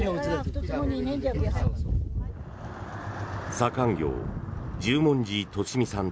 左官業・十文字利美さん